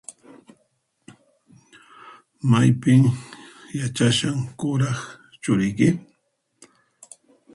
Maypin yachashan kuraq churiyki?